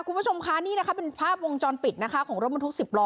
คุณผู้ชมคะนี่นะคะเป็นภาพวงจรปิดนะคะของรถบรรทุก๑๐ล้อ